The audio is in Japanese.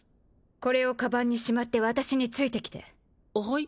これを鞄にしまって私についてきてはい？